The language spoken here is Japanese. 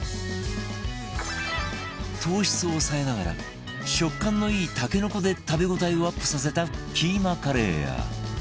糖質を抑えながら食感のいいたけのこで食べ応えをアップさせたキーマカレーや